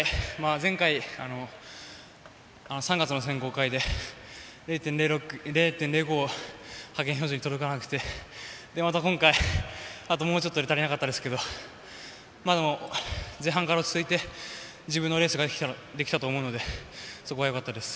３月の選考会で０．０５派遣記録に届かなくてまた今回、もうちょっと足りなかったですけど前半から落ち着いて自分のレースができたと思うのでそこは、よかったです。